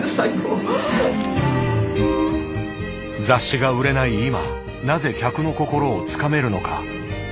雑誌が売れない今なぜ客の心をつかめるのか。